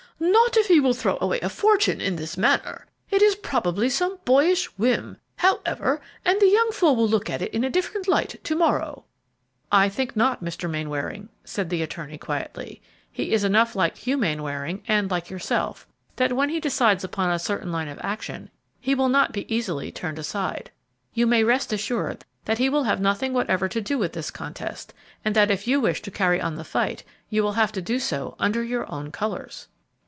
"Not if he will throw away a fortune in this manner; it is probably some boyish whim, however and the young fool will look at it in a different light to morrow." "I think not, Mr. Mainwaring," said the attorney, quietly; "he is enough like Hugh Mainwaring, and like yourself, that when he decides upon a certain line of action, he will not be easily turned aside. You may rest assured that he will have nothing whatever to do with this contest, and that if you wish to carry on the fight, you will have to do so under your own colors."